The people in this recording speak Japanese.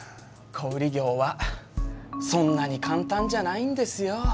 小売業はそんなに簡単じゃないんですよ。